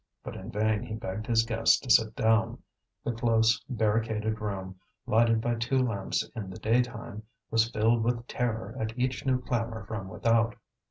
But in vain he begged his guests to sit down; the close, barricaded room, lighted by two lamps in the daytime, was filled with terror at each new clamour from without.